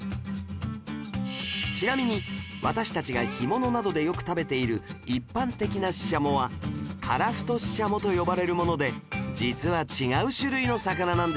ちなみに私たちが干物などでよく食べている一般的なシシャモはカラフトシシャモと呼ばれるもので実は違う種類の魚なんですよ